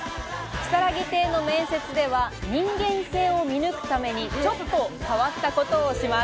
きさらぎ亭の面接では人間性を見抜くために、ちょっと変わったことをします。